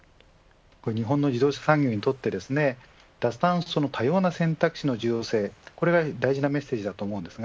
日本の自動車産業にとって脱炭素の多様な選択肢の重要性これが大事なメッセージだと思います。